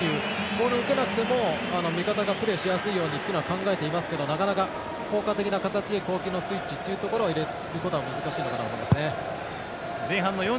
ボールを受けなくても味方がプレーしやすいようにと考えてはいますけどなかなか効果的な形で攻撃のスイッチを入れることは難しいのかなと思いますね。